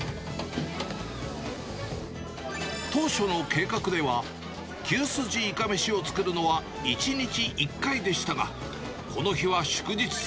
当初の計画では、牛すじいかめしを作るのは１日１回でしたが、この日は祝日。